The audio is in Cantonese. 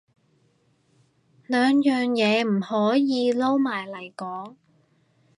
兩樣嘢唔可以撈埋嚟講